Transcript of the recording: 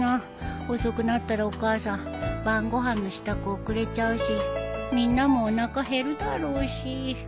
遅くなったらお母さん晩ご飯の支度遅れちゃうしみんなもおなか減るだろうし